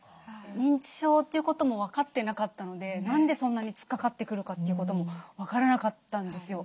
認知症ということも分かってなかったので何でそんなに突っかかってくるかということも分からなかったんですよ。